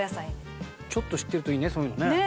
ちょっと知ってるといいねそういうのね。